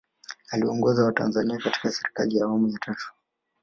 Aliwaongoza watanzania katika Serikali ya Awamu ya Tatu